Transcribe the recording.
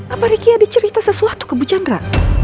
apa riki ada cerita sesuatu ke bu chandra